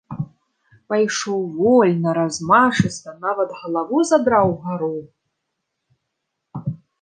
Пайшоў вольна, размашыста, нават галаву задраў угару.